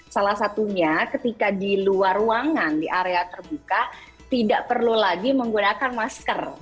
salah satunya ketika di luar ruangan di area terbuka tidak perlu lagi menggunakan masker